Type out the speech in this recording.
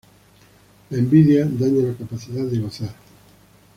La envidia daña la capacidad de gozar.